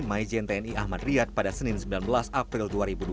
maijen tni ahmad riyad pada senin sembilan belas april dua ribu dua puluh